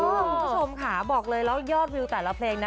คนเต้นกันทุกการเออคุณผู้ชมค่ะบอกเลยแล้วยอดวิวแต่ละเพลงนะ